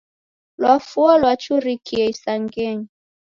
Lwafuo lwachurikie isangenyi.